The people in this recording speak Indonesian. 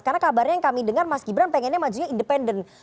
karena kabarnya yang kami dengar mas gibran pengennya majunya independen